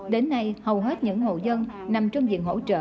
đến nay hầu hết những hộ dân nằm trong diện hỗ trợ